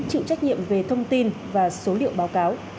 chịu trách nhiệm về thông tin và số liệu báo cáo